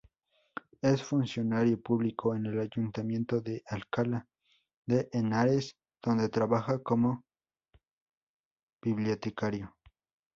Es funcionario público en el Ayuntamiento de Alcalá de Henares donde trabaja como bibliotecario.